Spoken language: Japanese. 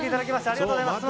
ありがとうございます！